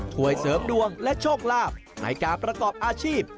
ช่วยเสริมดวงและโชคลาภในการประกอบอาชีพ